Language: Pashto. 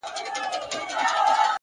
اخلاص د اړیکو ریښتینی بنسټ جوړوي,